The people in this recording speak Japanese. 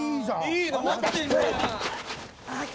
いいの持ってんじゃん